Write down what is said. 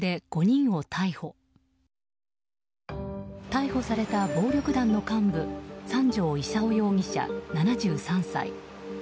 逮捕された暴力団の幹部三條功容疑者、７３歳。